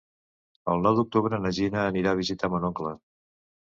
El nou d'octubre na Gina anirà a visitar mon oncle.